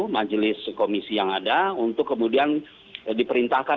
majelis komisi yang ada untuk kemudian diperintahkan